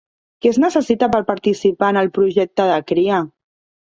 Què es necessita per participar en el projecte de cria?